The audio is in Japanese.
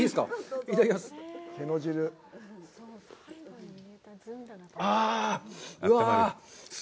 いただきます。